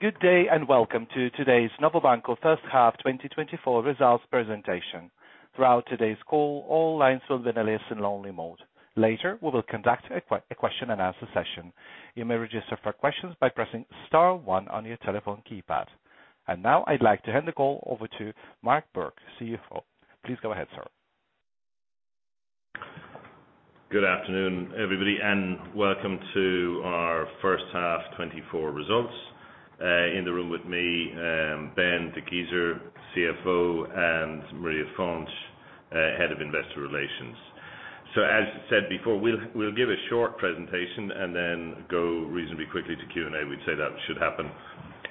Good day, and welcome to today's Novo Banco first half 2024 results presentation. Throughout today's call, all lines will be in listen-only mode. Later, we will conduct a question and answer session. You may register for questions by pressing star one on your telephone keypad. And now I'd like to hand the call over to Mark Bourke, CFO. Please go ahead, sir. Good afternoon, everybody, and welcome to our first half 2024 results. In the room with me, Benjamin Dickgiesser, CFO, and Maria Fontes, Head of Investor Relations. So, as I said before, we'll give a short presentation and then go reasonably quickly to Q&A. We'd say that should happen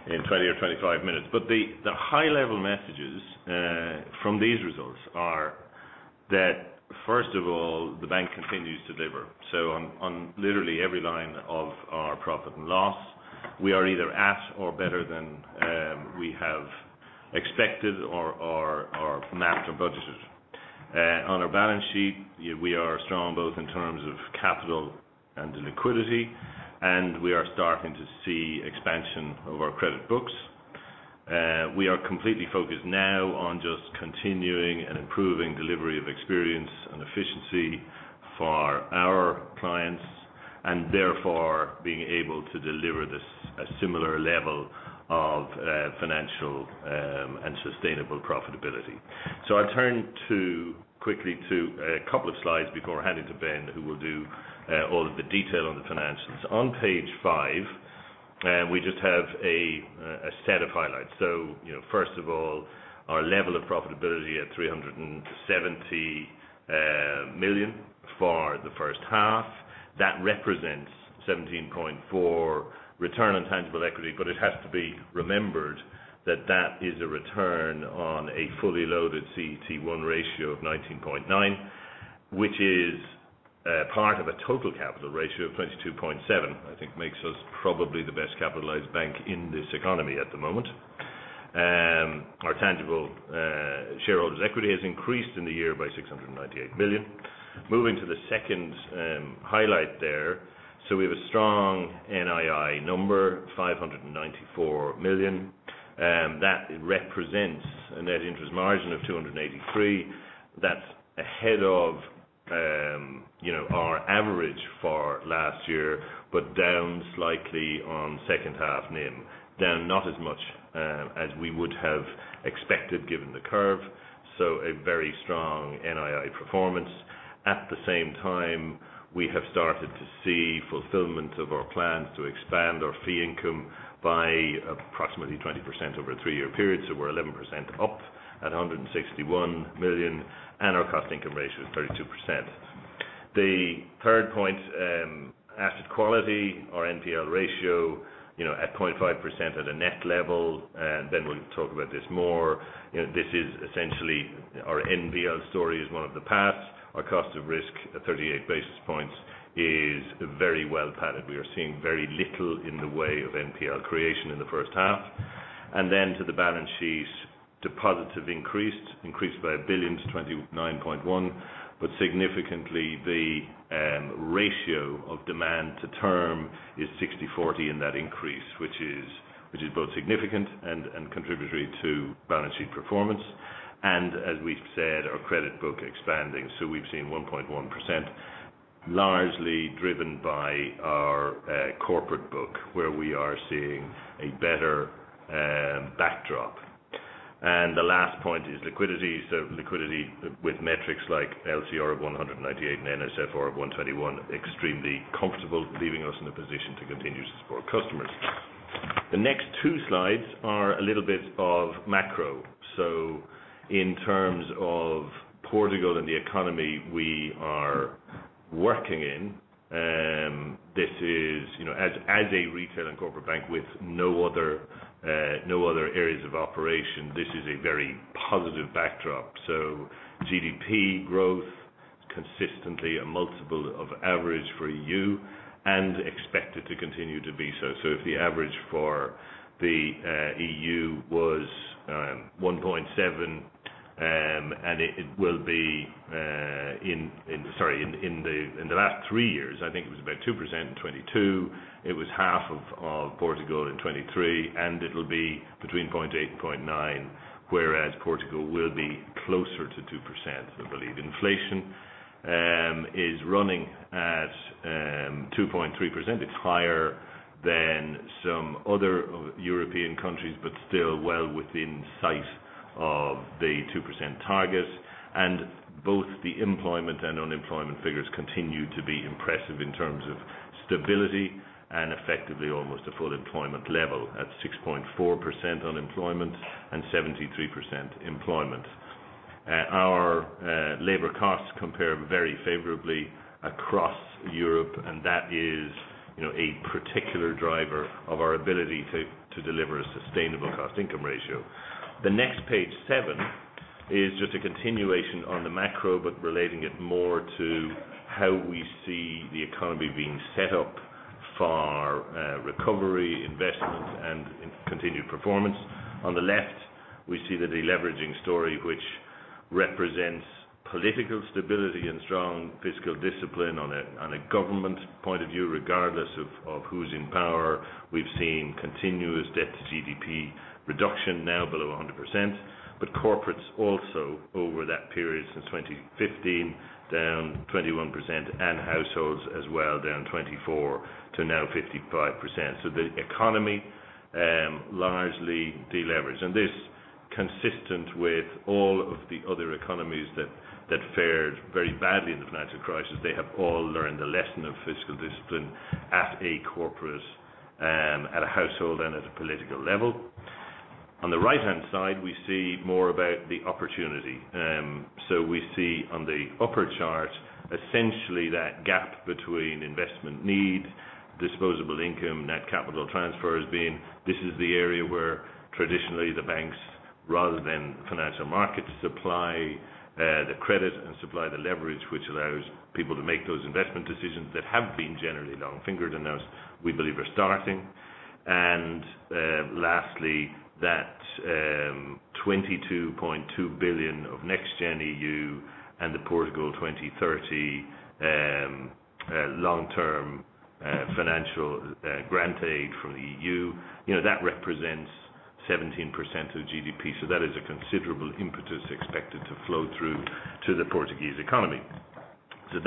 in 20 or 25 minutes. But the high-level messages from these results are that, first of all, the bank continues to deliver. So on literally every line of our profit and loss, we are either at or better than we have expected or mapped or budgeted. On our balance sheet, we are strong both in terms of capital and in liquidity, and we are starting to see expansion of our credit books. We are completely focused now on just continuing and improving the of experience and efficiency for our clients, and therefore being able to deliver this a similar level of financial and sustainable profitability. So I'll turn quickly to a couple of slides before I hand it to Ben, who will do all of the details on the financials. On page five we just have a set of highlights. So, you know, first of all, our level of profitability at 370 million for the first half, that represents 17.4 return on tangible equity, but it has to be remembered that that is a return on a fully loaded CET1 ratio of 19.9, which is part of a total capital ratio of 22.7, I think makes us probably the best capitalized bank in this economy at the moment. Our tangible shareholders' equity has increased in the year by 698 billion. Moving to the second highlight there, we have a strong NII number, 594 million, that represents a net interest margin of 283. That's ahead of, you know, our average for last year, but down slightly on second-half NIM. Down not as much, as we would have expected, given the curve, so a very strong NII performance. At the same time, we have started to see fulfillment of our plans to expand our fee income by approximately 20% over a three-year period, so we're 11% up at 161 million, and our cost-income ratio is 32%. The third point, asset quality, our NPL ratio, you know, at 0.5% at a net level, then we'll talk about this more. You know, this is essentially our NPL story is one of the past. Our cost of risk at 38 basis points is very well-padded. We are seeing very little in the way of NPL creation in the first half. Then to the balance sheet, deposits have increased, increased by 1 billion to 29.1 billion, but significantly, the ratio of demand to term is 60/40 in that increase, which is, which is both significant and contributory to balance sheet performance. And as we've said, our credit book expanding, so we've seen 1.1%, largely driven by our corporate book, where we are seeing a better backdrop. And the last point is liquidity. So liquidity with metrics like LCR of 198 and NSFR of 121, extremely comfortable, leaving us in a position to continue to support customers. The next two slides are a little bit of macro. So in terms of Portugal and the economy we are working in, this is, you know, as a retail and corporate bank with no other areas of operation, this is a very positive backdrop. So GDP growth, consistently a multiple of average for E.U. and expected to continue to be so. So if the average for the E.U. was 1.7, and it will be in the last 3 years, I think it was about 2% in 2022. It was half of Portugal in 2023, and it'll be between 0.8 and 0.9, whereas Portugal will be closer to 2%, I believe. Inflation is running at 2.3%. It's higher than some other European countries, but still well within sight of the 2% target. Both the employment and unemployment figures continue to be impressive in terms of stability and effectively almost a full employment level at 6.4% unemployment and 73% employment. Our labor costs compare very favorably across Europe, and that is, you know, a particular driver of our ability to deliver a sustainable cost-income ratio. The next page seven is just a continuation on the macro, but relating it more to how we see the economy being set up for recovery, investment, and continued performance. On the left, we see the deleveraging story, which represents political stability and strong fiscal discipline on a government point of view, regardless of who's in power. We've seen continuous debt to GDP reduction, now below 100%, but corporates also over that period, since 2015, down 21%, and households as well, down 24% to now 55%. So the economy largely deleveraged, and this consistent with all of the other economies that fared very badly in the financial crisis. They have all learned the lesson of fiscal discipline at a corporate, at a household, and at a political level. On the right-hand side, we see more about the opportunity. So we see on the upper chart, essentially that gap between investment need, disposable income, net capital transfers being this is the area where traditionally the banks, rather than financial markets, supply the credit and supply the leverage, which allows people to make those investment decisions that have been generally long fingered, and those we believe are starting. And lastly, that 22.2 billion of NextGen E.U. and the Portugal 2030, long-term financial grant aid from the E.U., you know, that represents 17% of GDP. So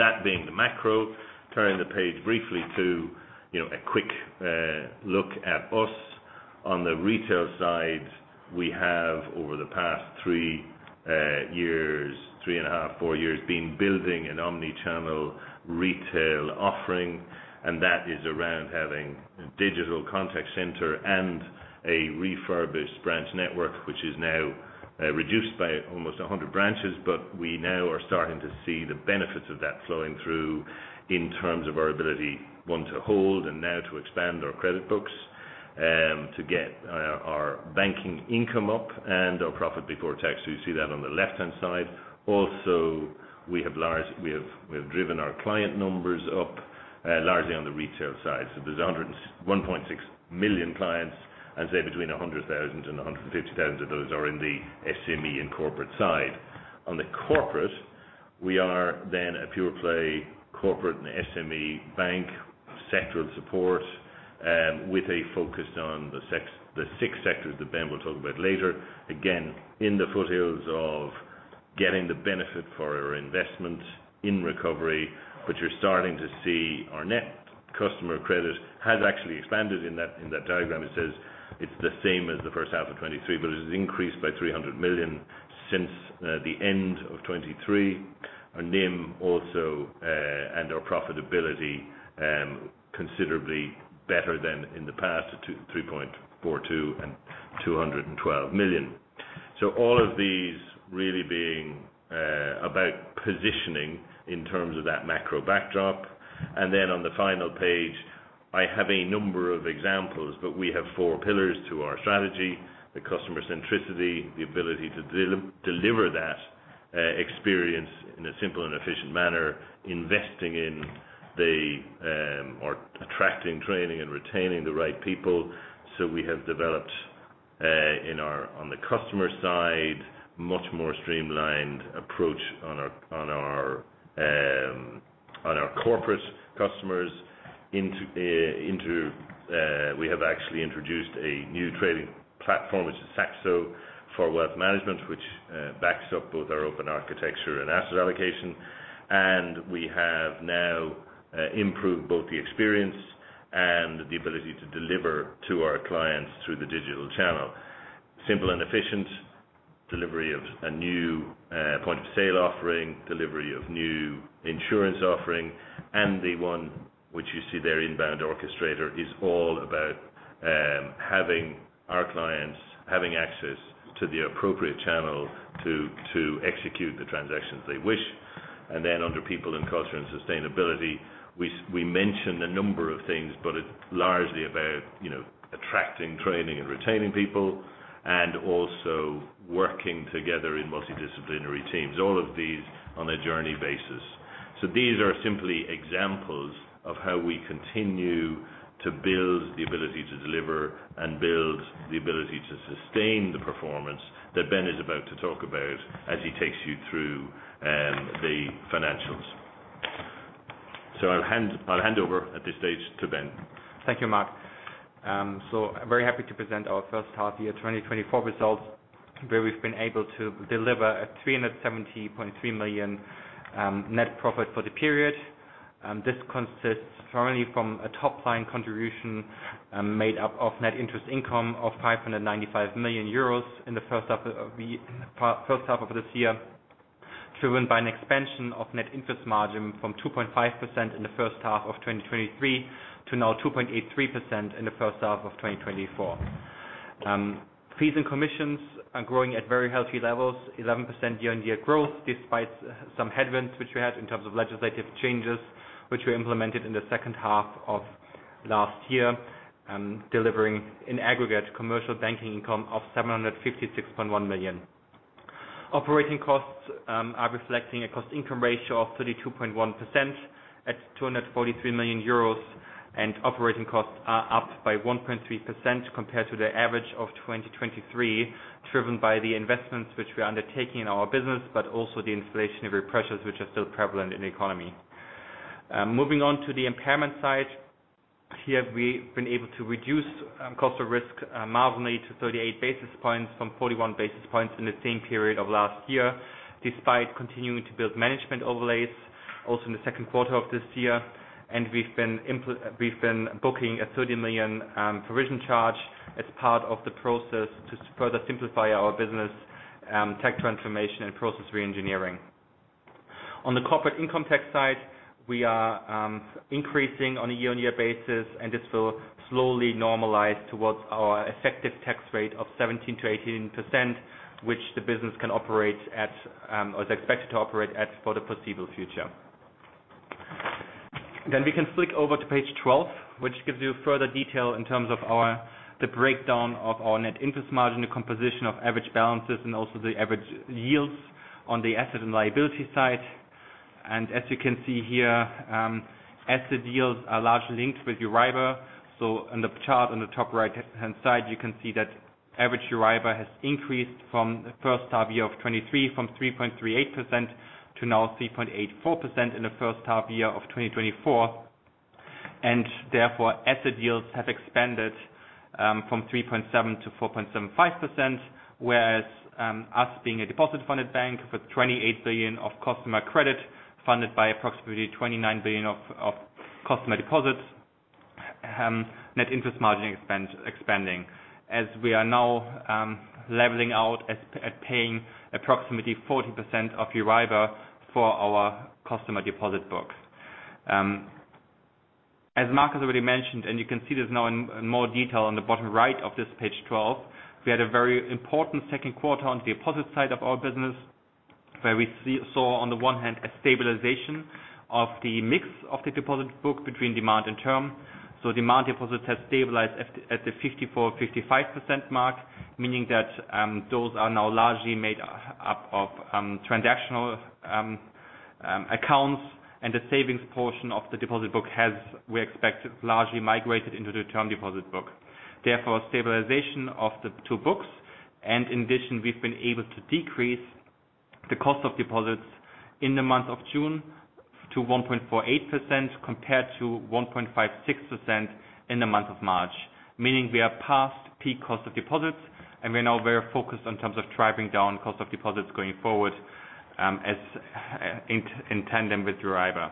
that being the macro, turning the page briefly to, you know, a quick look at us. On the retail side, we have over the past three years, three and a half, four years, been building an omni-channel retail offering, and that is around having a digital contact center and a refurbished branch network, which is now reduced by almost 100 branches. But we now are starting to see the benefits of that flowing through in terms of our ability, one, to hold, and now to expand our credit books, to get, our banking income up and our profit before tax. So you see that on the left-hand side. Also, we have driven our client numbers up, largely on the retail side. So there's 101.6 million clients, and say between 100,000 and 150,000 of those are in the SME and corporate side. On the corporate, we are then a pure play corporate and SME bank, sectoral support, with a focus on the six sectors that Ben will talk about later. Again, in the foothills of getting the benefit for our investment in recovery, but you're starting to see our net customer credit has actually expanded in that, in that diagram. It says it's the same as the first half of 2023, but it's increased by 300 million since, the end of 2023. Our NIM also, and our profitability, considerably better than in the past, at 2.342 and 212 million. So all of these really being, about positioning in terms of that macro backdrop. And then on the final page, I have a number of examples, but we have four pillars to our strategy: the customer centricity, the ability to deliver that, experience in a simple and efficient manner, investing in the, or attracting, training, and retaining the right people. So we have developed on the customer side much more streamlined approach on our corporate customers into we have actually introduced a new trading platform, which is Saxo, for wealth management, which backs up both our open architecture and asset allocation. And we have now improved both the experience and the ability to deliver to our clients through the digital channel. Simple and efficient delivery of a new point of sale offering, delivery of new insurance offering, and the one which you see there, Inbound Orchestrator, is all about having our clients have access to the appropriate channel to execute the transactions they wish. And then under people and culture and sustainability, we mention a number of things, but it's largely about, you know, attracting, training, and retaining people, and also working together in multidisciplinary teams, all of these on a journey basis. So these are simply examples of how we continue to build the ability to deliver and build the ability to sustain the performance that Ben is about to talk about as he takes you through the financials. So I'll hand, I'll hand over at this stage to Ben. Thank you, Mark. So I'm very happy to present our first half of 2024 results, where we've been able to deliver 370.3 million net profit for the period. This consists primarily from a top-line contribution made up of net interest income of 595 million euros in the first half of this year, driven by an expansion of net interest margin from 2.5% in the first half of 2023 to now 2.83% in the first half of 2024. Fees and commissions are growing at very healthy levels, 11% year-on-year growth, despite some headwinds which we had in terms of legislative changes, which were implemented in the second half of last year, delivering in aggregate commercial banking income of 756.1 million. Operating costs are reflecting a cost income ratio of 32.1% at 243 million euros, and operating costs are up by 1.3% compared to the average of 2023, driven by the investments which we are undertaking in our business, but also the inflationary pressures which are still prevalent in the economy. Moving on to the impairment side, here we've been able to reduce cost of risk marginally to 38 basis points from 41 basis points in the same period of last year, despite continuing to build management overlays also in the second quarter of this year. And we've been booking a 30 million provision charge as part of the process to further simplify our business, tech transformation and process reengineering. On the corporate income tax side, we are increasing on a year-on-year basis, and this will slowly normalize towards our effective tax rate of 17%-18%, which the business can operate at or is expected to operate at for the foreseeable future. Then we can flick over to page 12, which gives you further detail in terms of our, the breakdown of our net interest margin, the composition of average balances, and also the average yields on the asset and liability side. As you can see here, asset yields are largely linked with EURIBOR. So on the chart on the top right hand side, you can see that average EURIBOR has increased from the first half year of 2023, from 3.38% to now 3.84% in the first half year of 2024. And therefore, asset yields have expanded, from 3.7% to 4.75%, whereas, us being a deposit-funded bank with 28 billion of customer credit, funded by approximately 29 billion of customer deposits, net interest margin expanding. As we are now leveling out at paying approximately 40% of EURIBOR for our customer deposit book. As Mark already mentioned, and you can see this now in more detail on the bottom right of this page 12, we had a very important second quarter on the deposit side of our business, where we saw, on the one hand, a stabilization of the mix of the deposit book between demand and term. So demand deposits have stabilized at the 54%-55% mark, meaning that those are now largely made up of transactional accounts, and the savings portion of the deposit book has, we expect, largely migrated into the term deposit book. Therefore, stabilization of the two books, and in addition, we've been able to decrease the cost of deposits in the month of June to 1.48%, compared to 1.56% in the month of March. Meaning we are past peak cost of deposits, and we're now very focused in terms of driving down cost of deposits going forward, as in tandem with EURIBOR.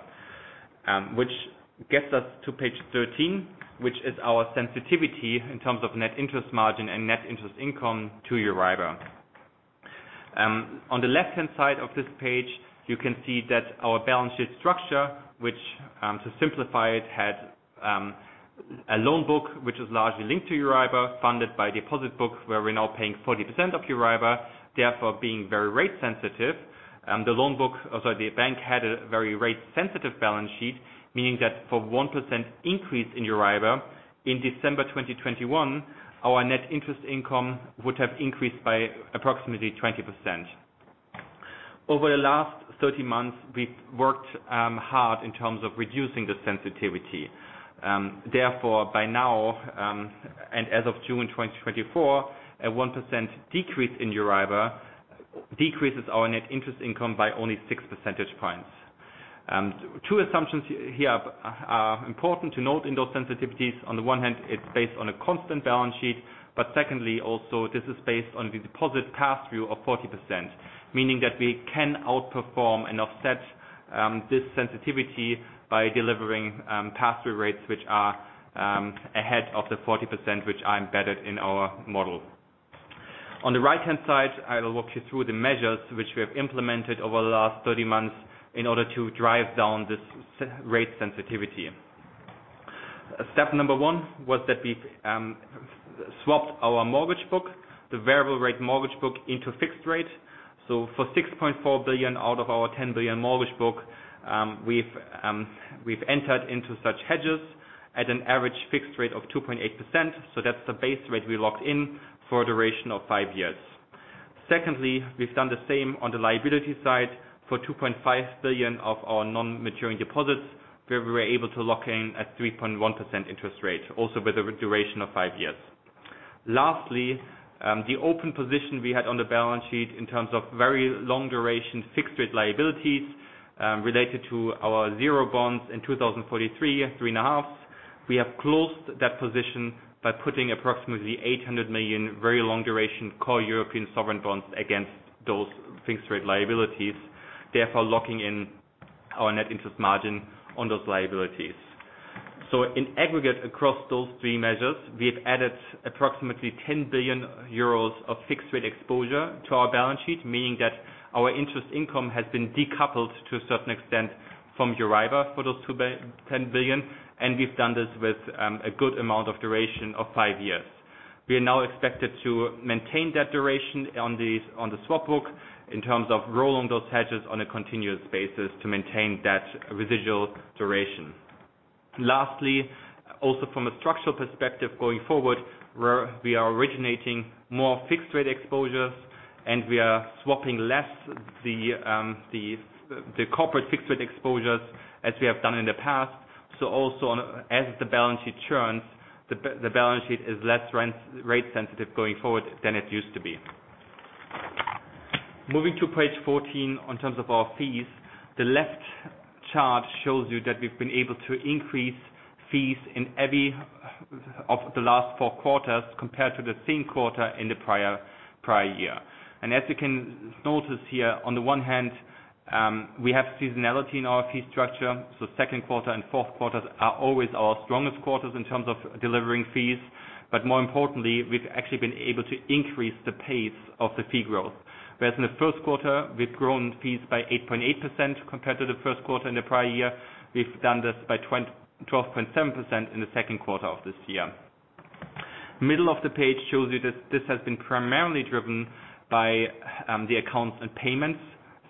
Which gets us to page 13, which is our sensitivity in terms of net interest margin and net interest income to EURIBOR. On the left-hand side of this page, you can see that our balance sheet structure, which, to simplify it, had a loan book, which is largely linked to EURIBOR, funded by deposit book, where we're now paying 40% of EURIBOR, therefore, being very rate sensitive. The loan book... Oh, sorry, the bank had a very rate-sensitive balance sheet, meaning that for 1% increase in EURIBOR in December 2021, our net interest income would have increased by approximately 20%. Over the last 30 months, we've worked hard in terms of reducing the sensitivity. Therefore, by now, and as of June 2024, a 1% decrease in EURIBOR decreases our net interest income by only six percentage points. Two assumptions here are important to note in those sensitivities. On the one hand, it's based on a constant balance sheet, but secondly, also, this is based on the deposit pass-through of 40%, meaning that we can outperform and offset this sensitivity by delivering pass-through rates, which are ahead of the 40%, which are embedded in our model. On the right-hand side, I will walk you through the measures which we have implemented over the last 30 months in order to drive down this interest-rate sensitivity. Step number one was that we've swapped our mortgage book, the variable-rate mortgage book, into fixed rate. So for 6.4 billion out of our 10 billion mortgage book, we've entered into such hedges at an average fixed rate of 2.8%, so that's the base rate we locked in for a duration of 5 years. Secondly, we've done the same on the liability side for 2.5 billion of our non-maturing deposits, where we were able to lock in a 3.1% interest rate, also with a duration of 5 years. Lastly, the open position we had on the balance sheet in terms of very long duration, fixed-rate liabilities, related to our zero bonds in 2043, 3.5, we have closed that position by putting approximately 800 million very long duration core European sovereign bonds against those fixed-rate liabilities, therefore locking in our net interest margin on those liabilities. So in aggregate, across those three measures, we've added approximately €10 billion of fixed-rate exposure to our balance sheet, meaning that our interest income has been decoupled to a certain extent from EURIBOR for those €10 billion, and we've done this with a good amount of duration of 5 years. We are now expected to maintain that duration on the swap book, in terms of rolling those hedges on a continuous basis to maintain that residual duration. Lastly, also from a structural perspective going forward, where we are originating more fixed-rate exposures and we are swapping less the the corporate fixed rate exposures as we have done in the past. So also on, as the balance sheet churns, the balance sheet is less rate sensitive going forward than it used to be. Moving to page 14, in terms of our fees, the left chart shows you that we've been able to increase fees in every of the last four quarters, compared to the same quarter in the prior year. As you can notice here, on the one hand, we have seasonality in our fee structure, so second quarter and fourth quarters are always our strongest quarters in terms of delivering fees. But more importantly, we've actually been able to increase the pace of the fee growth. Whereas in the first quarter, we've grown fees by 8.8% compared to the first quarter in the prior year, we've done this by 12.7% in the second quarter of this year. Middle of the page shows you that this has been primarily driven by the accounts and payments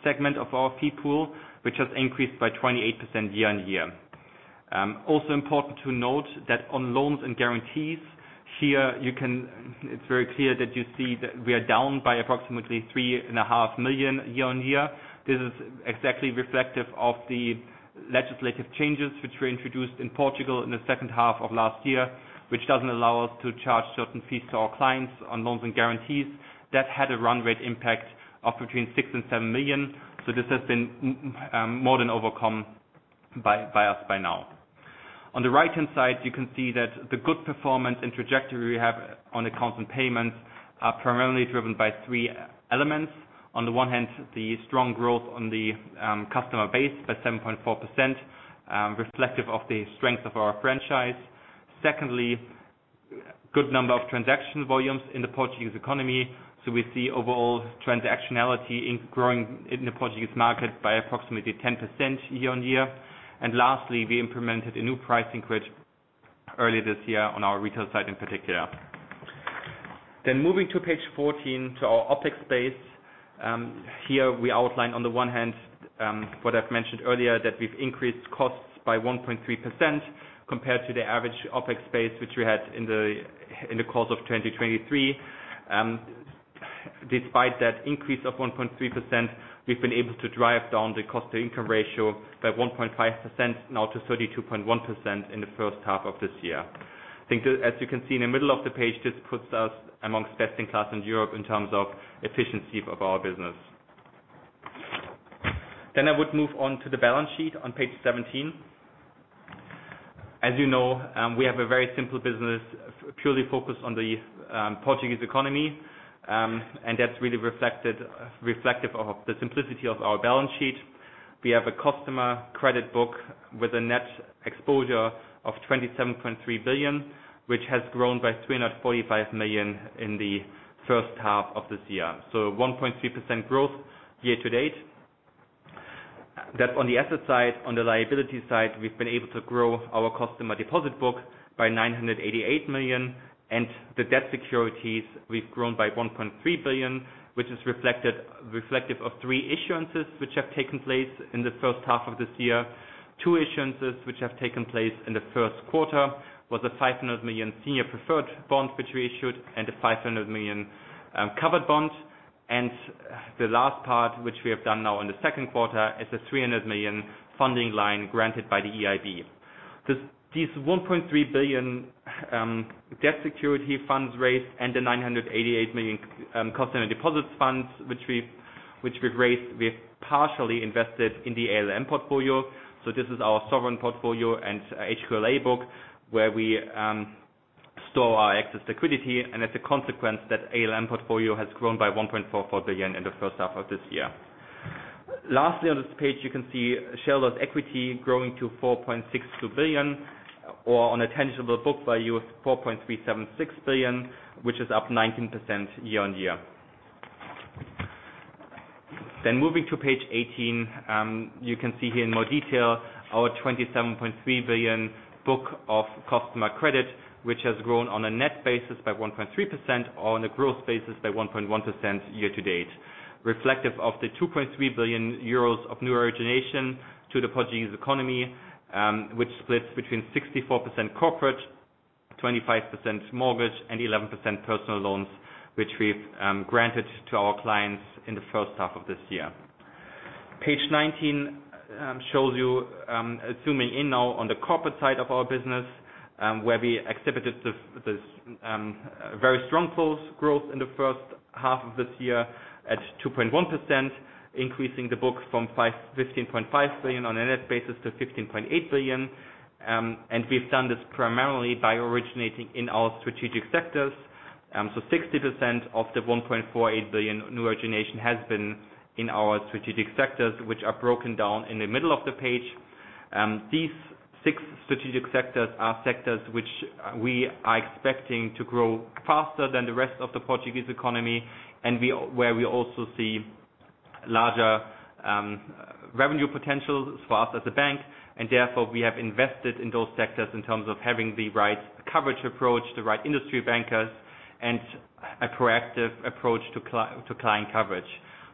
segment of our fee pool, which has increased by 28% year-on-year. Also important to note that on loans and guarantees, here, it's very clear that you see that we are down by approximately 3.5 million year-on-year. This is exactly reflective of the legislative changes, which were introduced in Portugal in the second half of last year, which doesn't allow us to charge certain fees to our clients on loans and guarantees. That had a run rate impact of between 6 million and 7 million. So this has been more than overcome by us by now. On the right-hand side, you can see that the good performance and trajectory we have on accounts and payments are primarily driven by three elements. On the one hand, the strong growth on the customer base by 7.4%, reflective of the strength of our franchise. Secondly, good number of transaction volumes in the Portuguese economy. So we see overall transactionality growing in the Portuguese market by approximately 10% year-on-year. And lastly, we implemented a new pricing grid early this year on our retail side, in particular. Then moving to page 14, to our OpEx base. Here we outline, on the one hand, what I've mentioned earlier, that we've increased costs by 1.3% compared to the average OpEx base, which we had in the course of 2023. Despite that increase of 1.3%, we've been able to drive down the Cost-to-Income Ratio by 1.5%, now to 32.1% in the first half of this year. I think as you can see in the middle of the page, this puts us among best in class in Europe in terms of efficiency of our business. Then I would move on to the balance sheet on page 17. As you know, we have a very simple business, purely focused on the Portuguese economy. And that's really reflected, reflective of the simplicity of our balance sheet. We have a customer credit book with a net exposure of 27.3 billion, which has grown by 345 million in the first half of this year, so 1.3% growth year to date. That's on the asset side. On the liability side, we've been able to grow our customer deposit book by 988 million, and the debt securities we've grown by 1.3 billion, which is reflected, reflective of three issuances which have taken place in the first half of this year. Two issuances, which have taken place in the first quarter, was a 500 million senior preferred bond, which we issued, and a 500 million covered bond. The last part, which we have done now in the second quarter, is a 300 million funding line granted by the EIB. This, these 1.3 billion debt security funds raised and the 988 million customer deposits funds, which we, which we've raised, we've partially invested in the ALM portfolio. So this is our sovereign portfolio and HQLA book, where we store our excess liquidity, and as a consequence, that ALM portfolio has grown by 1.44 billion in the first half of this year. Lastly, on this page, you can see shareholder's equity growing to 4.62 billion, or on a tangible book value of 4.376 billion, which is up 19% year-on-year. Then moving to page 18, you can see here in more detail, our 27.3 billion book of customer credit, which has grown on a net basis by 1.3%, on a growth basis by 1.1% year to date. Reflective of the 2.3 billion euros of new origination to the Portuguese economy, which splits between 64% corporate, 25% mortgage, and 11% personal loans, which we've granted to our clients in the first half of this year. Page 19 shows you, zooming in now on the corporate side of our business, where we exhibited very strong growth in the first half of this year at 2.1%, increasing the book from 15.5 billion on a net basis to 15.8 billion. And we've done this primarily by originating in our strategic sectors. So 60% of the 1.48 billion new origination has been in our strategic sectors, which are broken down in the middle of the page. These six strategic sectors are sectors which, we are expecting to grow faster than the rest of the Portuguese economy, and where we also see larger, revenue potential for us as a bank, and therefore, we have invested in those sectors in terms of having the right coverage approach, the right industry bankers, and a proactive approach to client coverage....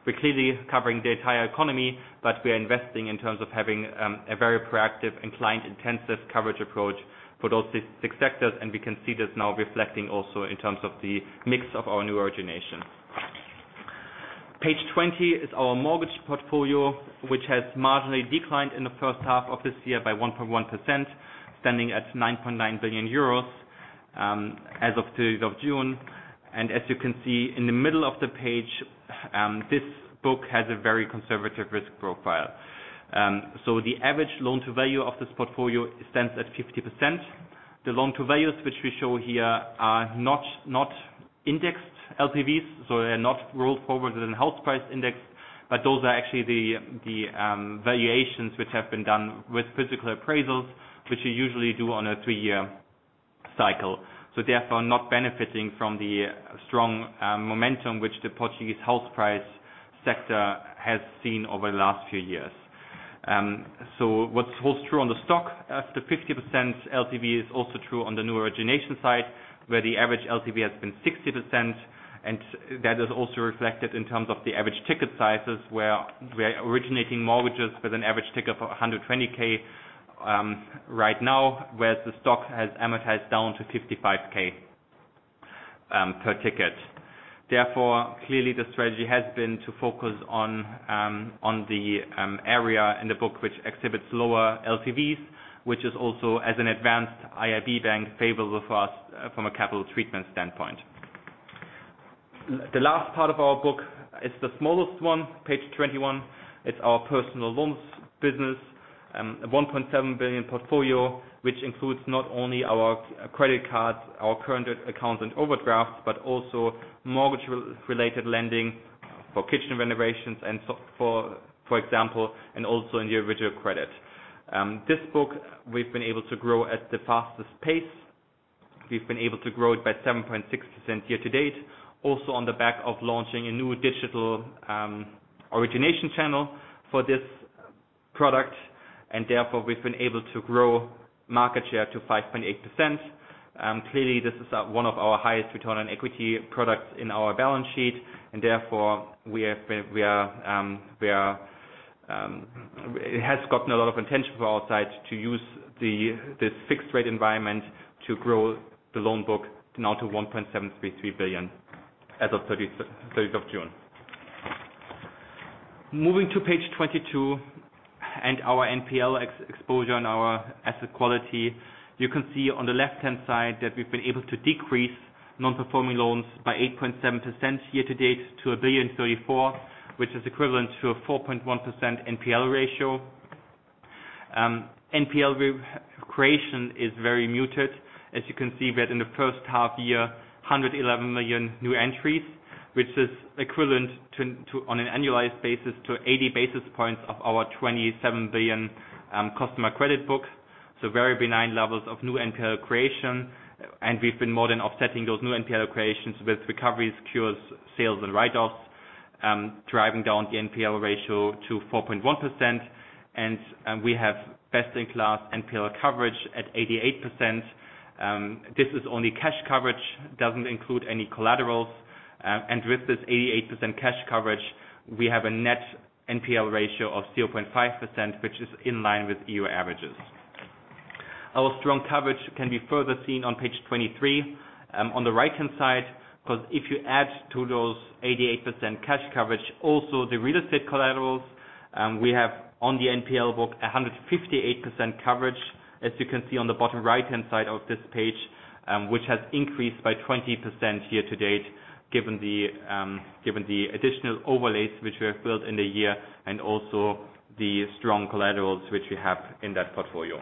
We're clearly covering the entire economy, but we are investing in terms of having a very proactive and client-intensive coverage approach for those 6, 6 sectors, and we can see this now reflecting also in terms of the mix of our new origination. Page 20 is our mortgage portfolio, which has marginally declined in the first half of this year by 1.1%, standing at 9.9 billion euros as of the third of June. And as you can see in the middle of the page, this book has a very conservative risk profile. So the average loan-to-value of this portfolio stands at 50%. The loan-to-values which we show here are not indexed LTVs, so they're not rolled forward in house price index, but those are actually the valuations which have been done with physical appraisals, which we usually do on a three-year cycle. So therefore, not benefiting from the strong momentum which the Portuguese house price sector has seen over the last few years. So what holds true on the stock, as the 50% LTV is also true on the new origination side, where the average LTV has been 60%, and that is also reflected in terms of the average ticket sizes, where we're originating mortgages with an average ticket for 120,000 right now, whereas the stock has amortized down to 55,000 per ticket. Therefore, clearly the strategy has been to focus on the area in the book, which exhibits lower LTVs, which is also as an advanced IRB bank, favorable for us from a capital treatment standpoint. The last part of our book is the smallest one, page 21. It's our personal loans business, a 1.7 billion portfolio, which includes not only our credit cards, our current accounts and overdrafts, but also mortgage-related lending for kitchen renovations and so forth, for example, and also individual credit. This book, we've been able to grow at the fastest pace. We've been able to grow it by 7.6% year-to-date, also on the back of launching a new digital origination channel for this product, and therefore, we've been able to grow market share to 5.8%. Clearly, this is one of our highest return on equity products in our balance sheet, and therefore, we have, we are, we are... It has gotten a lot of attention from our side to use the fixed rate environment to grow the loan book now to 1.733 billion as of June 30th. Moving to page 22 and our NPL exposure on our asset quality, you can see on the left-hand side that we've been able to decrease non-performing loans by 8.7% year-to-date, to 1.034 billion, which is equivalent to a 4.1% NPL ratio. NPL re-creation is very muted. As you can see, we had in the first half year, 111 million new entries, which is equivalent to, on an annualized basis, to 80 basis points of our 27 billion customer credit book. So very benign levels of new NPL creation, and we've been more than offsetting those new NPL creations with recoveries, cures, sales, and write-offs, driving down the NPL ratio to 4.1%. We have best-in-class NPL coverage at 88%. This is only cash coverage, doesn't include any collateral. With this 88% cash coverage, we have a net NPL ratio of 0.5%, which is in line with E.U. averages. Our strong coverage can be further seen on page 23, on the right-hand side, 'cause if you add to those 88% cash coverage, also the real estate collaterals, we have on the NPL book, 158% coverage, as you can see on the bottom right-hand side of this page, which has increased by 20% year-to-date, given the additional overlays which we have built in the year, and also the strong collaterals which we have in that portfolio.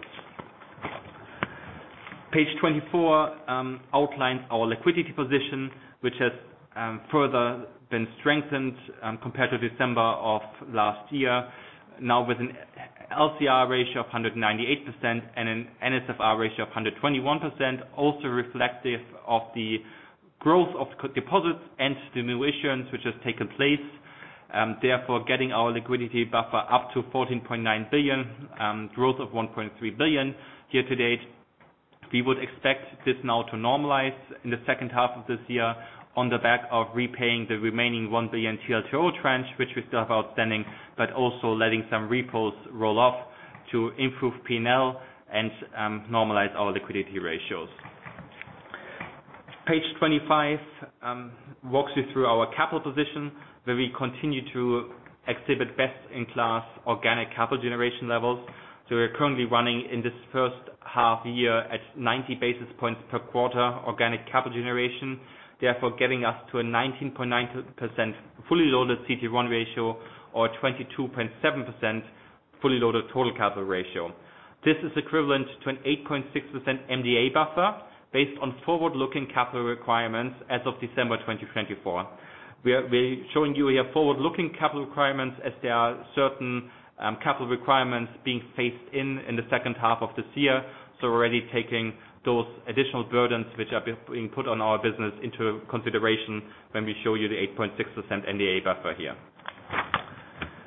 Page 24 outlines our liquidity position, which has further been strengthened compared to December of last year. Now, with an LCR ratio of 198% and an NSFR ratio of 121%, also reflective of the growth of deposits and emissions, which has taken place, therefore, getting our liquidity buffer up to 14.9 billion, growth of 1.3 billion year-to-date. We would expect this now to normalize in the second half of this year on the back of repaying the remaining 1 billion TLTRO tranche, which we still have outstanding, but also letting some repos roll off to improve P&L and, normalize our liquidity ratios. Page 25 walks you through our capital position, where we continue to exhibit best-in-class organic capital generation levels. We're currently running in this first half year at 90 basis points per quarter organic capital generation, therefore getting us to a 19.9% fully loaded CET1 ratio or 22.7% fully loaded total capital ratio. This is equivalent to an 8.6% MDA buffer based on forward-looking capital requirements as of December 2024. We're showing you forward-looking capital requirements as there are certain capital requirements being phased in in the second half of this year. We're already taking those additional burdens which are being put on our business into consideration when we show you the 8.6% MDA buffer here....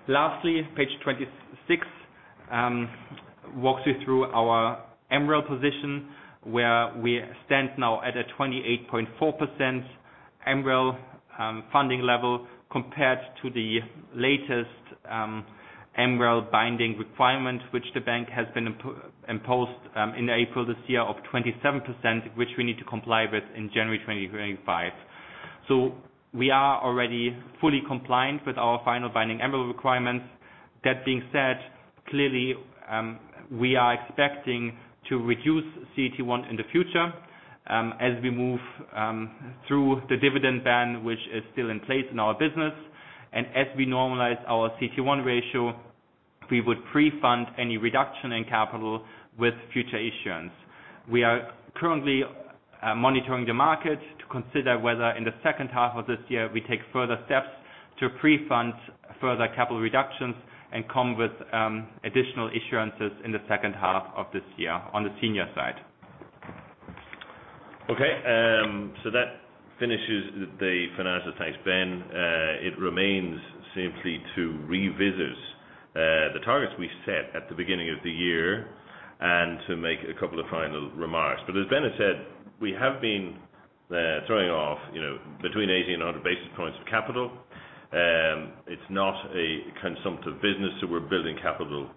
Lastly, page 26 walks you through our MREL position, where we stand now at a 28.4% MREL funding level, compared to the latest MREL binding requirement, which the bank has been imposed in April this year of 27%, which we need to comply with in January 2025. So we are already fully compliant with our final binding MREL requirements. That being said, clearly, we are expecting to reduce CET1 in the future, as we move through the dividend ban, which is still in place in our business. And as we normalize our CET1 ratio, we would pre-fund any reduction in capital with future issuance. We are currently monitoring the market to consider whether in the second half of this year, we take further steps to pre-fund further capital reductions and come with additional issuances in the second half of this year on the senior side. Okay, so that finishes the financial. Thanks, Ben. It remains simply to revisit the targets we set at the beginning of the year and to make a couple of final remarks. But as Ben has said, we have been throwing off, you know, between 80 and 100 basis points of capital. It's not a consumptive business, so we're building capital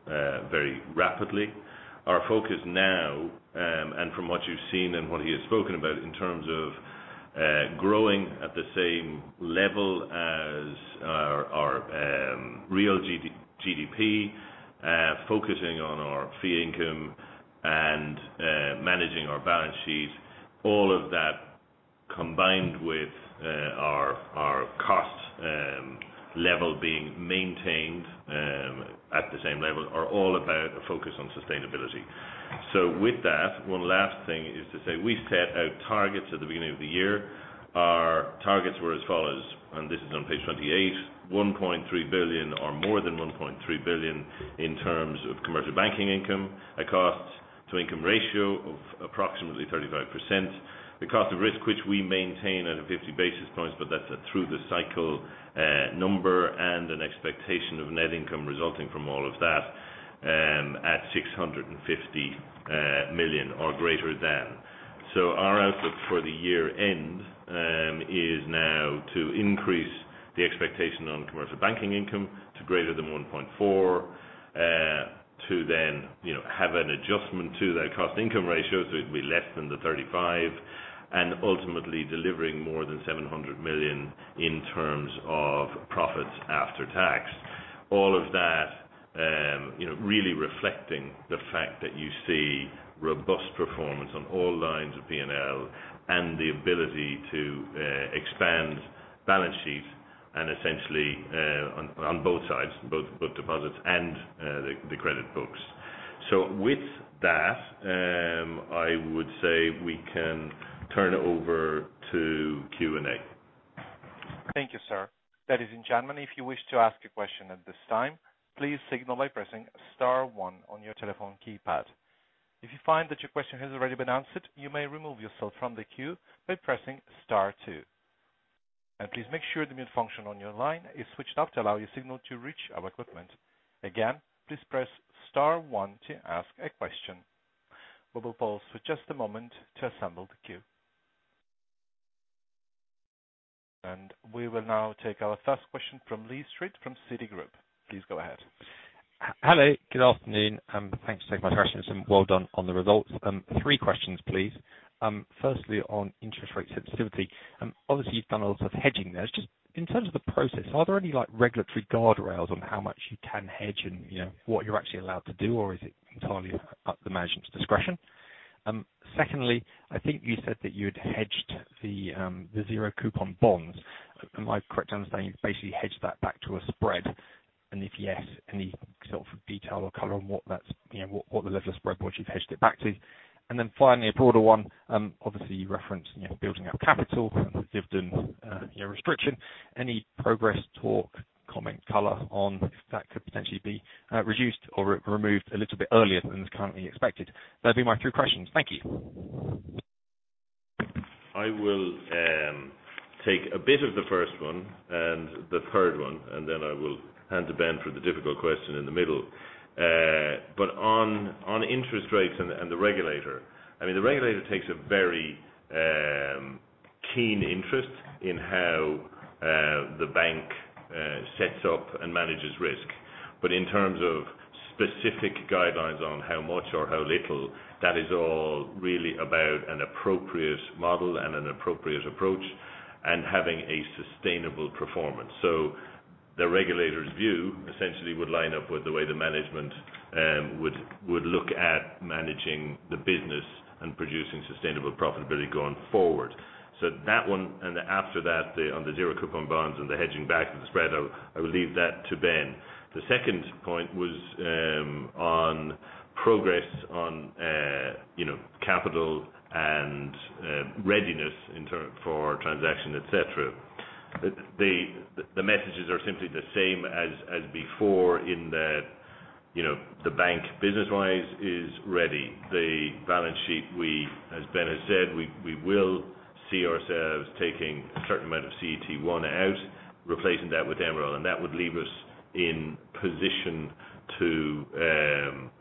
very rapidly. Our focus now, and from what you've seen and what he has spoken about in terms of growing at the same level as our real GDP, is focusing on our fee income and managing our balance sheet. All of that, combined with our cost level being maintained at the same level, are all about a focus on sustainability. So with that, one last thing is to say we set out targets at the beginning of the year. Our targets were as follows, and this is on page 28: 1.3 billion or more than 1.3 billion in terms of commercial banking income, a cost to income ratio of approximately 35%, the cost of risk which we maintain at a 50 basis points, but that's through the cycle, number and an expectation of net income resulting from all of that, at 650, million or greater than. So our outlook for the year-end is now to increase the expectation on commercial banking income to greater than 1.4 billion, to then, you know, have an adjustment to that cost income ratio, so it'd be less than 35%, and ultimately delivering more than 700 million in terms of profits after tax. All of that, you know, really reflecting the fact that you see robust performance on all lines of P&L and the ability to expand balance sheet and essentially on both sides, both deposits and the credit books. So with that, I would say we can turn over to Q&A. Thank you, sir. Ladies and gentlemen, if you wish to ask a question at this time, please signal by pressing star one on your telephone keypad. If you find that your question has already been answered, you may remove yourself from the queue by pressing star two. Please make sure the mute function on your line is switched off to allow your signal to reach our equipment. Again, please press star one to ask a question. We will pause for just a moment to assemble the queue. We will now take our first question from Lee Street from Citigroup. Please go ahead. Hello, good afternoon, thanks for taking my questions, and well done on the results. Three questions, please. Firstly, on interest rate sensitivity, obviously you've done a lot of hedging there. Just in terms of the process, are there any, like, regulatory guardrails on how much you can hedge and, you know, what you're actually allowed to do, or is it entirely up to management's discretion? Secondly, I think you said that you'd hedged the, the zero coupon bonds. Am I correct in understanding you've basically hedged that back to a spread? And if yes, any sort of detail or color on what that's, you know, what, what the level of spread, which you've hedged it back to? And then finally, a broader one, obviously you referenced, you know, building up capital and the dividend, you know, restriction. Any progress, talk, comment, color on if that could potentially be reduced or removed a little bit earlier than is currently expected? That'd be my three questions. Thank you. I will take a bit of the first one and the third one, and then I will hand to Ben for the difficult question in the middle. But on interest rates and the regulator, I mean, the regulator takes a very keen interest in how the bank sets up and manages risk. But in terms of specific guidelines on how much or how little, that is all really about an appropriate model and an appropriate approach, and having a sustainable performance. So the regulator's view essentially would line up with the way the management would look at managing the business and producing sustainable profitability going forward. So that one, and after that, the on the zero coupon bonds and the hedging back to the spread, I will leave that to Ben. The second point was on progress on, you know, capital and readiness in terms for transaction, et cetera. The messages are simply the same as before in the- You know, the bank business wise is ready. The balance sheet, we, as Ben has said, we will see ourselves taking a certain amount of CET1 out, replacing that with MREL, and that would leave us in position to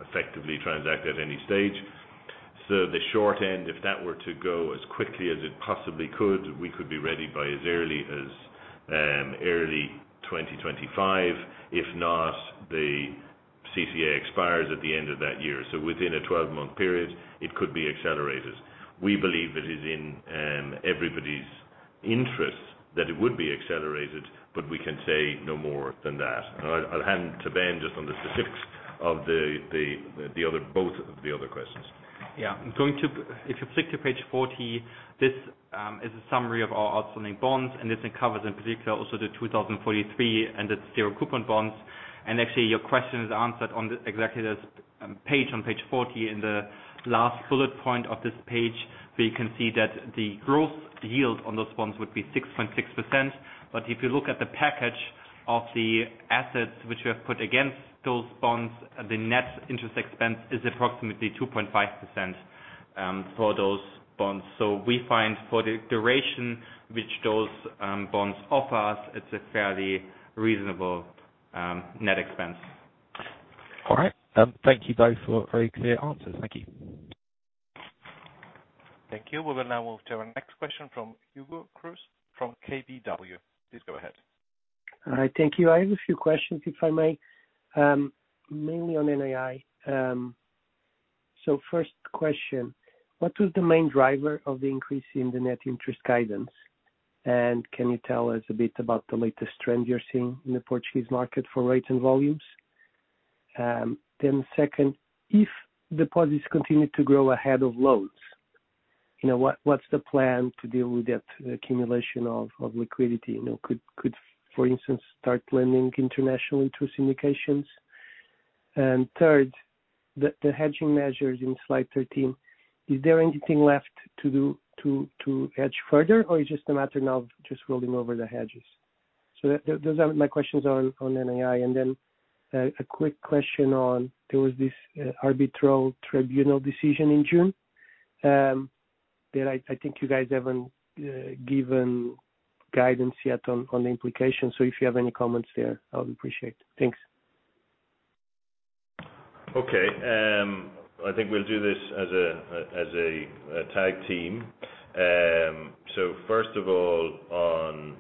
effectively transact at any stage. So the short end, if that were to go as quickly as it possibly could, we could be ready by as early as early 2025. If not, the CCA expires at the end of that year. So within a 12-month period, it could be accelerated. We believe it is in everybody's interest that it would be accelerated, but we can say no more than that. I'll hand to Ben just on the specifics of both of the other questions. Yeah. Going to, if you flip to page 40, this is a summary of our outstanding bonds, and this covers, in particular, also the 2043, and it's zero coupon bonds. And actually, your question is answered on exactly this page, on page 40, in the last bullet point of this page, where you can see that the growth yield on those bonds would be 6.6%. But if you look at the package of the assets which we have put against those bonds, the net interest expense is approximately 2.5%, for those bonds. So we find for the duration which those bonds offer us, it's a fairly reasonable net expense. All right. Thank you both for very clear answers. Thank you. Thank you. We will now move to our next question from Hugo Cruz from KBW. Please go ahead. Hi. Thank you. I have a few questions, if I may, mainly on NII. So first question: What was the main driver of the increase in the net interest guidance? And can you tell us a bit about the latest trend you're seeing in the Portuguese market for rates and volumes? Then second, if deposits continue to grow ahead of loans, you know, what, what's the plan to deal with that accumulation of, of liquidity? You know, could, could, for instance, start lending internationally through syndications. And third, the, the hedging measures in slide 13, is there anything left to do to, to hedge further? Or it's just a matter now of just rolling over the hedges? So those are my questions on, on NII. And then, a quick question on, there was this, arbitral tribunal decision in June, that I, I think you guys haven't, given guidance yet on, on the implications. So if you have any comments there, I would appreciate it. Thanks. Okay, I think we'll do this as a tag team. So first of all, on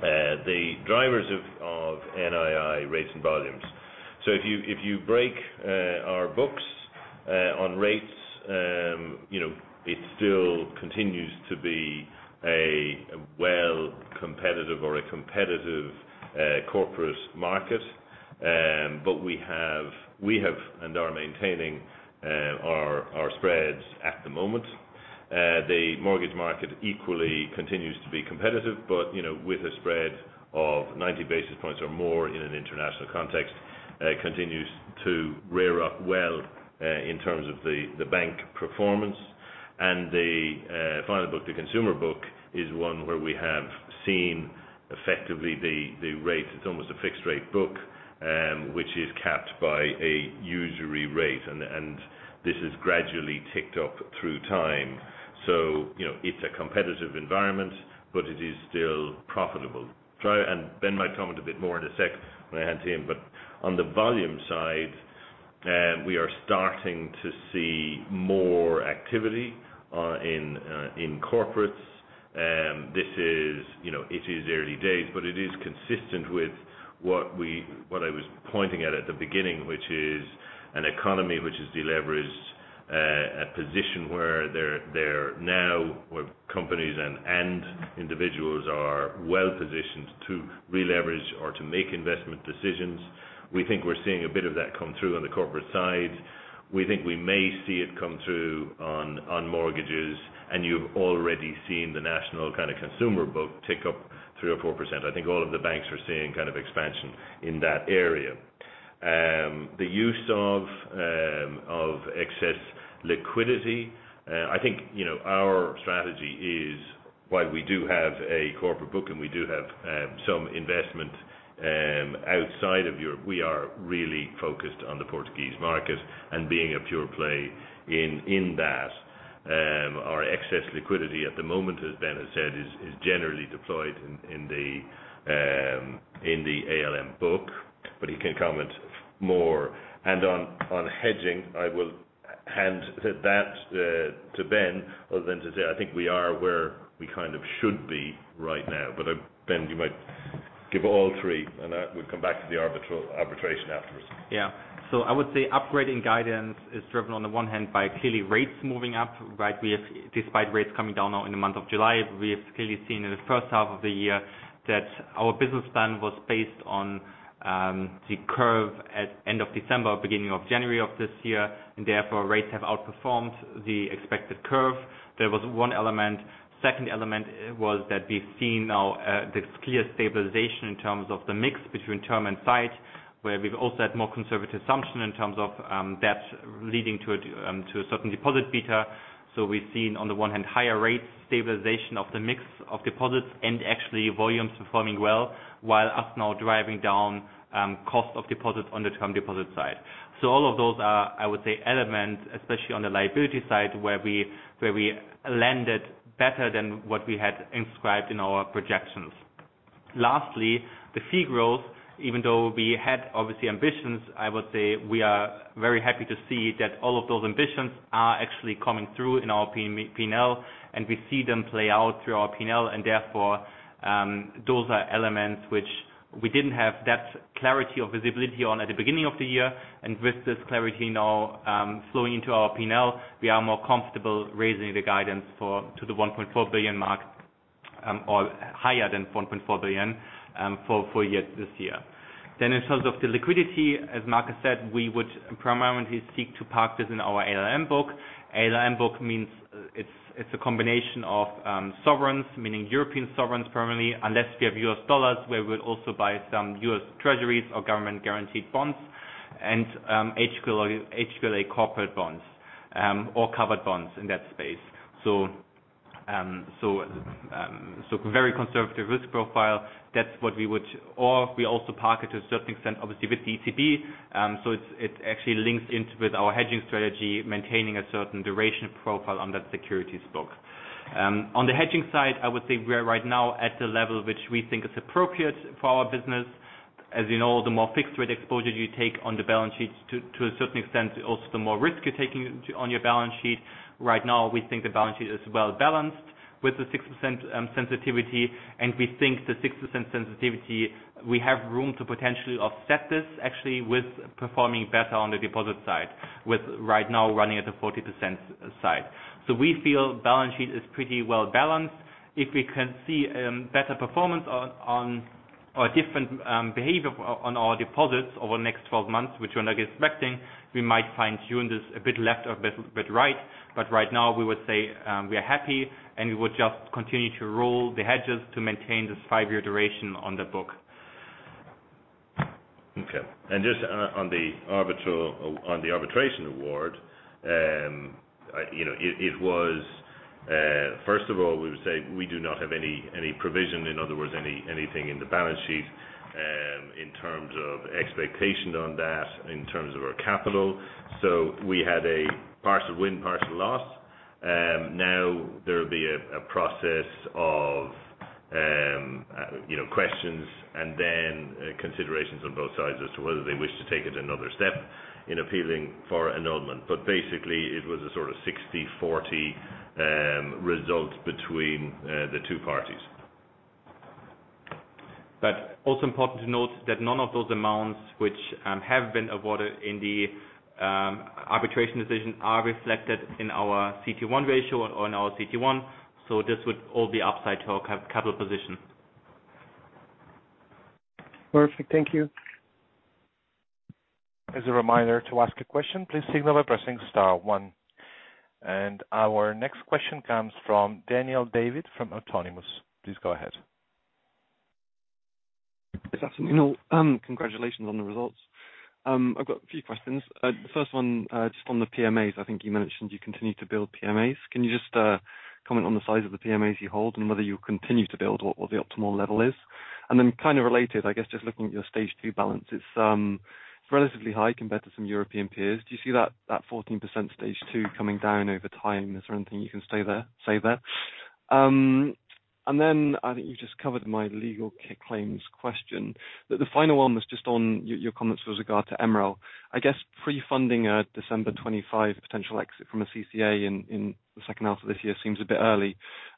the drivers of NII rates and volumes. So if you break our books on rates, you know, it still continues to be a well competitive or a competitive corporate market. But we have and are maintaining our spreads at the moment. The mortgage market equally continues to be competitive, but, you know, with a spread of 90 basis points or more in an international context, continues to stack up well in terms of the bank performance. And the final book, the consumer book, is one where we have seen effectively the rates, it's almost a fixed rate book, which is capped by a usury rate. This has gradually ticked up through time. So, you know, it's a competitive environment, but it is still profitable. And Ben might comment a bit more in a sec when I hand to him, but on the volume side, we are starting to see more activity in corporates. This is, you know, it is early days, but it is consistent with what we-- what I was pointing at at the beginning, which is an economy which is deleveraged, a position where there are now companies and individuals are well positioned to releverage or to make investment decisions. We think we're seeing a bit of that come through on the corporate side. We think we may see it come through on mortgages, and you've already seen the national kind of consumer book tick up 3%-4%. I think all of the banks are seeing kind of expansion in that area. The use of excess liquidity, I think, you know, our strategy is, while we do have a corporate book, and we do have some investment outside of Europe, we are really focused on the Portuguese market and being a pure play in that. Our excess liquidity at the moment, as Ben has said, is generally deployed in the ALM book, but he can comment more. And on hedging, I will hand that to Ben, other than to say, I think we are where we kind of should be right now. Ben, you might give all three, and we'll come back to the arbitration afterwards. Yeah. So I would say upgrading guidance is driven, on the one hand, by clearly rates moving up, right? We have. Despite rates coming down now in the month of July, we have clearly seen in the first half of the year that our business plan was based on the curve at end of December, beginning of January of this year, and therefore, rates have outperformed the expected curve. There was one element. Second element was that we've seen now the clear stabilization in terms of the mix between term and sight, where we've also had more conservative assumption in terms of demand leading to to a certain deposit beta. So we've seen on the one hand, higher rates, stabilization of the mix of deposits, and actually volumes performing well, while us now driving down cost of deposits on the term deposit side. All of those are, I would say, elements, especially on the liability side, where we landed better than what we had inscribed in our projections. Lastly, the fee growth, even though we had obviously ambitions, I would say we are very happy to see that all of those ambitions are actually coming through in our P&L, and we see them play out through our P&L. And therefore, those are elements which we didn't have that clarity or visibility on at the beginning of the year. And with this clarity now, flowing into our P&L, we are more comfortable raising the guidance to the 1.4 billion mark, or higher than 1.4 billion, for full year this year. Then in terms of the liquidity, as Mark said, we would primarily seek to park this in our ALM book. ALM book means it's, it's a combination of, sovereigns, meaning European sovereigns, primarily, unless we have US dollars, where we'll also buy some US Treasuries or government-guaranteed bonds, and, HQLA corporate bonds, or covered bonds in that space. So, very conservative risk profile. That's what we would... Or we also park it to a certain extent, obviously, with ECB. So it's, it actually links into with our hedging strategy, maintaining a certain duration profile on that securities book. On the hedging side, I would say we are right now at the level which we think is appropriate for our business. As you know, the more fixed rate exposure you take on the balance sheet, to a certain extent, also the more risk you're taking on your balance sheet. Right now, we think the balance sheet is well-balanced with the 6%, sensitivity, and we think the 6% sensitivity, we have room to potentially offset this actually with performing better on the deposit side, with right now running at the 40% side. So we feel balance sheet is pretty well-balanced. If we can see, better performance on or different behavior on our deposits over the next 12 months, which we're not expecting, we might fine-tune this a bit left or bit right. But right now we would say, we are happy, and we would just continue to roll the hedges to maintain this five-year duration on the book. Okay. And just, on the arbitral, on the arbitration award, you know, it was, first of all, we would say we do not have any provision, in other words, anything in the balance sheet, in terms of expectation on that, in terms of our capital. So we had a partial win, partial loss. Now there will be a process of, you know, questions and then, considerations on both sides as to whether they wish to take it another step in appealing for annulment. But basically, it was a sort of 60/40, result between, the two parties. But also important to note that none of those amounts which have been awarded in the arbitration decision are reflected in our CET1 ratio on our CET1. So this would all be upside to our capital position. Perfect. Thank you. As a reminder, to ask a question, please signal by pressing star one. Our next question comes from Daniel Davies from Autonomous. Please go ahead. Yes, absolutely. Congratulations on the results. I've got a few questions. The first one, just on the PMAs, I think you mentioned you continue to build PMAs. Can you just comment on the size of the PMAs you hold, and whether you'll continue to build, what the optimal level is? And then kind of related, I guess, just looking at your Stage 2 balance, it's relatively high compared to some European peers. Do you see that fourteen percent Stage 2 coming down over time? Is there anything you can say there? And then I think you just covered my legal claims question. But the final one was just on your comments with regard to MREL. I guess pre-funding a December 25 potential exit from a CCA in the second half of this year seems a bit early.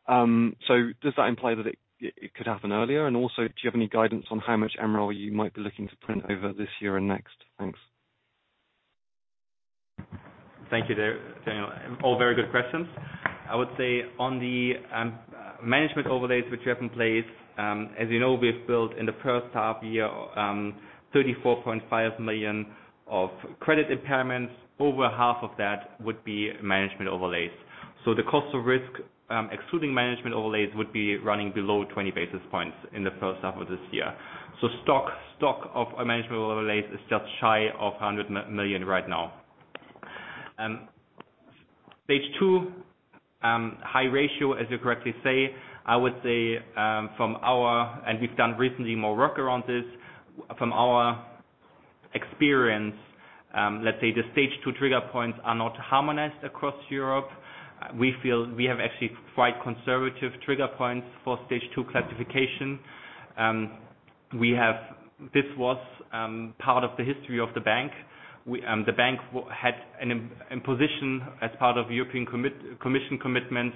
So does that imply that it could happen earlier? And also, do you have any guidance on how much MREL you might be looking to print over this year and next? Thanks. Thank you, Daniel. All very good questions. I would say on the management overlays which we have in place, as you know, we've built in the first half year, 34.5 million of credit impairments. Over half of that would be management overlays. So the cost of risk, excluding management overlays, would be running below 20 basis points in the first half of this year. So stock of management overlays is just shy of 100 million right now. Stage 2, high ratio, as you correctly say, I would say, from our... And we've done recently more work around this, from our experience, let's say the Stage 2 trigger points are not harmonized across Europe. We feel we have actually quite conservative trigger points for Stage 2 classification. This was part of the history of the bank. The bank had an imposition as part of European Commission commitments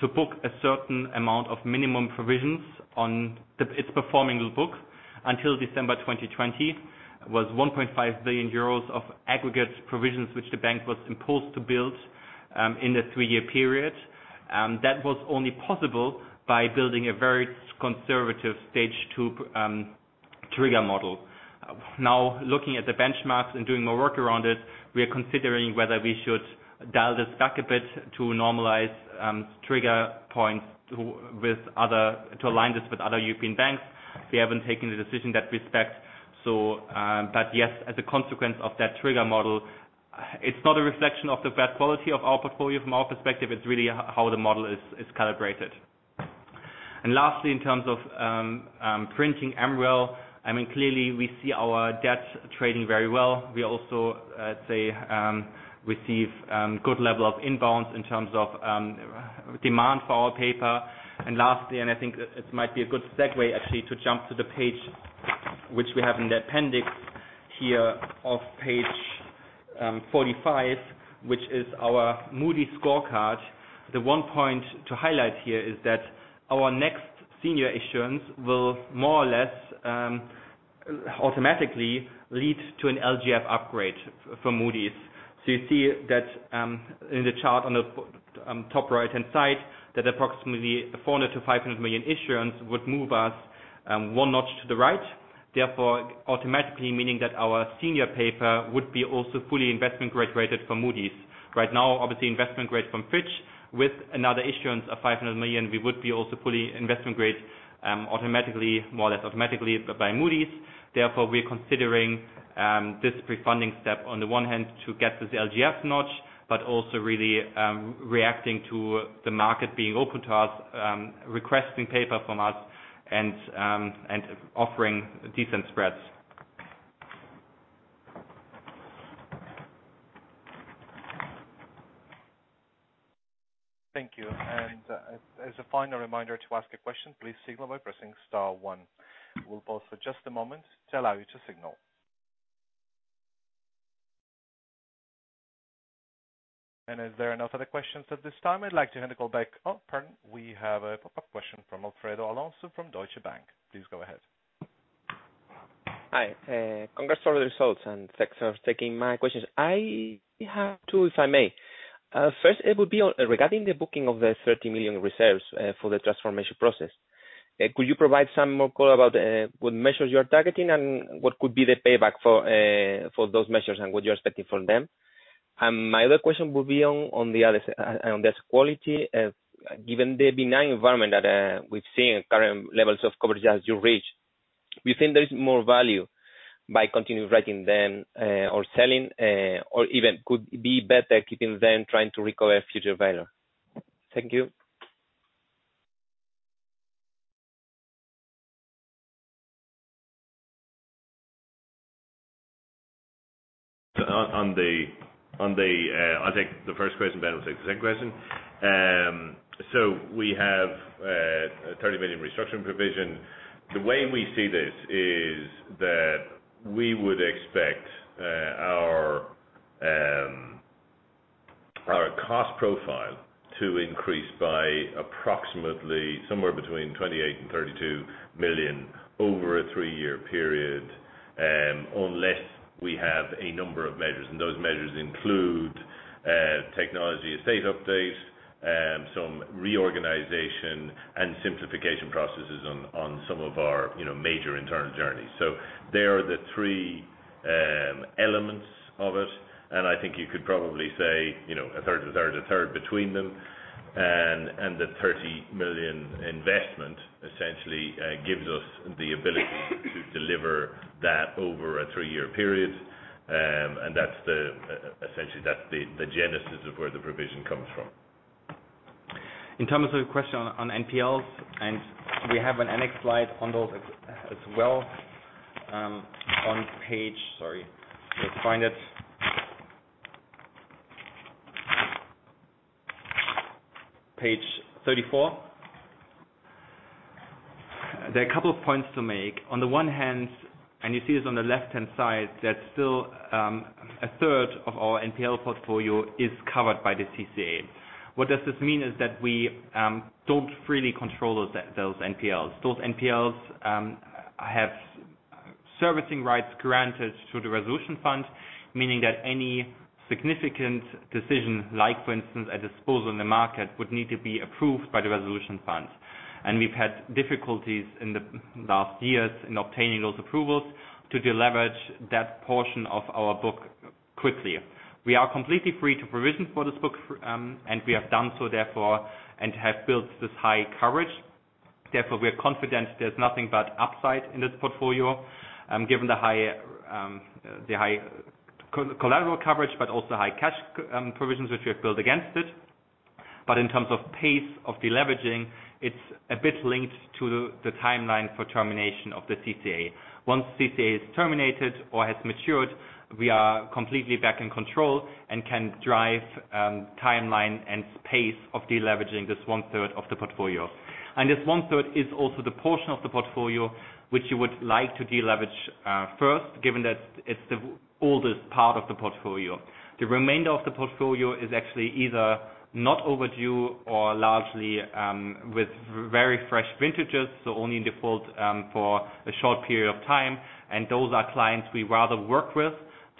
to book a certain amount of minimum provisions on its performing book until December 2020, 1.5 billion euros of aggregate provisions, which the bank was imposed to build in the three-year period. That was only possible by building a very conservative Stage 2 trigger model. Now, looking at the benchmarks and doing more work around it, we are considering whether we should dial this back a bit to normalize trigger points to align this with other European banks. We haven't taken the decision in that respect, so, but yes, as a consequence of that trigger model, it's not a reflection of the bad quality of our portfolio from our perspective, it's really how the model is calibrated. And lastly, in terms of printing MREL, I mean, clearly we see our debt trading very well. We also receive good level of inbounds in terms of demand for our paper. And lastly, and I think it might be a good segue actually, to jump to the page, which we have in the appendix here of page 45, which is our Moody's scorecard. The one point to highlight here is that our next senior issuance will more or less automatically lead to an LGF upgrade for Moody's. You see that, in the chart on the, top right-hand side, that approximately 400-500 million issuance would move us, one notch to the right, therefore, automatically meaning that our senior paper would be also fully investment-grade rated from Moody's. Right now, obviously, investment grade from Fitch, with another issuance of 500 million, we would be also fully investment grade, automatically, more or less automatically, but by Moody's. Therefore, we're considering, this pre-funding step on the one hand to get to the LGF notch, but also really, reacting to the market being open to us, requesting paper from us and, and offering decent spreads. Thank you. And as a final reminder to ask a question, please signal by pressing star one. We'll pause for just a moment to allow you to signal. And if there are no further questions at this time, I'd like to hand the call back. Oh, pardon. We have a pop-up question from Alfredo Alonso from Deutsche Bank. Please go ahead. Hi, congrats for the results, and thanks for taking my questions. I have two, if I may. First, it will be on, regarding the booking of the 30 million reserves, for the transformation process. Could you provide some more color about, what measures you are targeting, and what could be the payback for, for those measures, and what you're expecting from them? My other question would be on, on the other side, on the quality. Given the benign environment that, we've seen current levels of coverage as you reach, do you think there is more value by continuing writing them, or selling, or even could be better keeping them, trying to recover future value? Thank you. I'll take the first question, Ben will take the second question. So we have a 30 million restructuring provision. The way we see this is that we would expect our cost profile to increase by approximately somewhere between 28 million and 32 million over a three-year period, unless we have a number of measures. And those measures include technology estate update, some reorganization, and simplification processes on some of our, you know, major internal journeys. So they are the three elements of it, and I think you could probably say, you know, a third, a third, a third between them. And the 30 million investment essentially gives us the ability to deliver that over a three-year period. And that's essentially the genesis of where the provision comes from. In terms of your question on, on NPLs, and we have an annex slide on those as, as well. On page, sorry, let's find it. Page 34. There are a couple of points to make. On the one hand, and you see this on the left-hand side, that still, a third of our NPL portfolio is covered by the CCA. What does this mean, is that we, don't freely control those, those NPLs. Those NPLs, have servicing rights granted to the Resolution Fund, meaning that any significant decision, like for instance, a disposal in the market, would need to be approved by the Resolution Fund. And we've had difficulties in the last years in obtaining those approvals to deleverage that portion of our book quickly. We are completely free to provision for this book, and we have done so therefore, and have built this high coverage. Therefore, we are confident there's nothing but upside in this portfolio, given the high, the high collateral coverage, but also high cash, provisions which we have built against it. But in terms of pace of deleveraging, it's a bit linked to the timeline for termination of the CCA. Once CCA is terminated or has matured, we are completely back in control and can drive, timeline and pace of deleveraging this one-third of the portfolio. And this one-third is also the portion of the portfolio which you would like to deleverage, first, given that it's the oldest part of the portfolio. The remainder of the portfolio is actually either not overdue or largely, with very fresh vintages, so only in default, for a short period of time. Those are clients we rather work with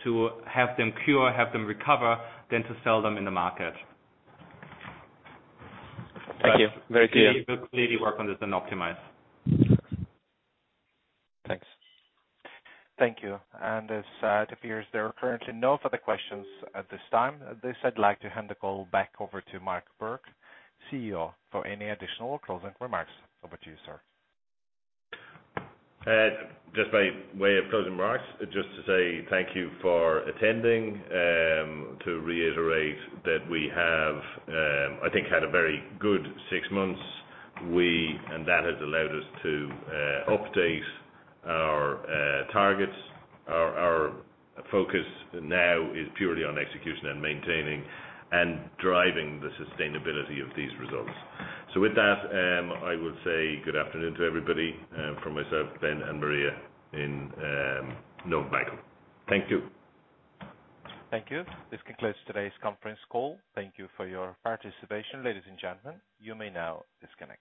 to have them cure, have them recover, than to sell them in the market. Thank you. Very clear. We'll clearly work on this and optimize. Thanks. Thank you. And as it appears, there are currently no further questions at this time. At this, I'd like to hand the call back over to Mark Bourke, CEO, for any additional closing remarks. Over to you, sir. Just by way of closing remarks, just to say thank you for attending. To reiterate that we have, I think had a very good six months. And that has allowed us to update our targets. Our, our focus now is purely on execution and maintaining, and driving the sustainability of these results. So with that, I would say good afternoon to everybody, from myself, Ben, and Maria in Novo Banco. Thank you. Thank you. This concludes today's conference call. Thank you for your participation. Ladies and gentlemen, you may now disconnect